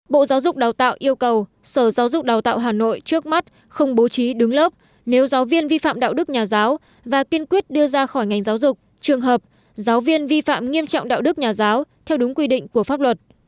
bộ giáo dục đào tạo yêu cầu sở giáo dục đào tạo hà nội trước mắt không bố trí đứng lớp nếu giáo viên vi phạm đạo đức nhà giáo và kiên quyết đưa ra khỏi ngành giáo dục trường hợp giáo viên vi phạm nghiêm trọng đạo đức nhà giáo theo đúng quy định của pháp luật